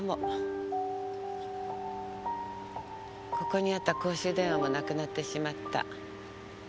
ここにあった公衆電話もなくなってしまった。